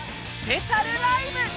スペシャルライブ！